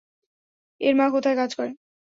এর মা কোথায় কাজ করে?